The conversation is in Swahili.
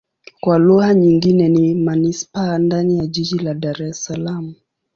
Kwa lugha nyingine ni manisipaa ndani ya jiji la Dar Es Salaam.